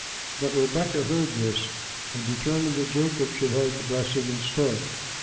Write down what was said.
But Rebekah heard this and determined that Jacob should have the blessing instead.